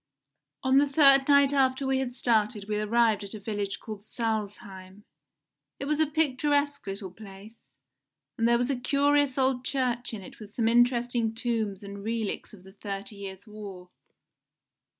On the third night after we had started we arrived at a village called Salzheim. It was a picturesque little place, and there was a curious old church in it with some interesting tombs and relics of the Thirty Years War.